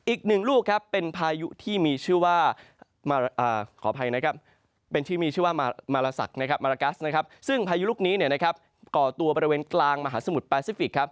อีกหนึ่งลูกเป็นพายุที่มีชื่อว่ามาราซักซึ่งพายุลูกนี้ก่อตัวบริเวณกลางมหาสมุทรปาซิฟิก